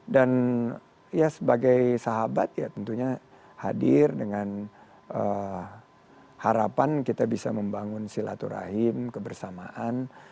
dan ya sebagai sahabat ya tentunya hadir dengan harapan kita bisa membangun silaturahim kebersamaan